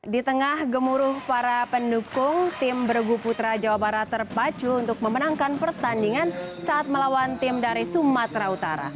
di tengah gemuruh para pendukung tim bergu putra jawa barat terpacu untuk memenangkan pertandingan saat melawan tim dari sumatera utara